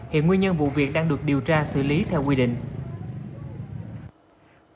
hiện nguyên nhân vụ việc đang được điều tra xử lý theo quy định